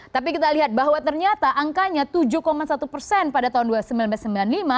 tapi kita lihat bahwa ternyata angkanya tujuh satu persen pada tahun seribu sembilan ratus sembilan puluh lima